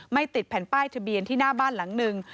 ติดแผ่นป้ายทะเบียนที่หน้าบ้านหลังหนึ่ง